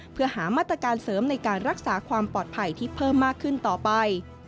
เพื่อหามาตรการเสริมในการรักษาความปลอดภัยที่เพิ่มมากขึ้นต่อไป